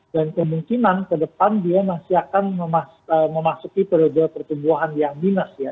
kemungkinan ke depan dia masih akan memasuki periode pertumbuhan yang minus ya